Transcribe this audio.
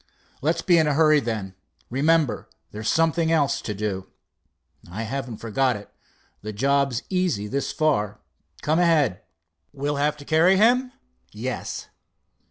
"Let's be in a hurry, then. Remember there's something else to do." "I haven't forgotten it. The job's easy this far. Come ahead." "We'll have to carry him?" "Yes."